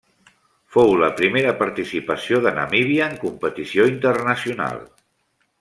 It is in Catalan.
Fou la primera participació de Namíbia en competició internacional.